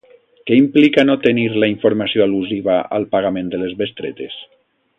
Què implica no tenir la informació al·lusiva al pagament de les bestretes?